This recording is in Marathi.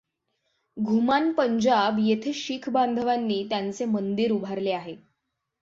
घुमान पंजाब येथे शीख बांधवानी त्यांचे मंदिर उभारले आहे.